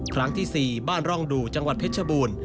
ครั้งที่๔บ้านร่องดูจังหวัดเพชรบูรณ์